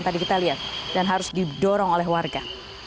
tadi kita lihat dan harus didorong oleh warga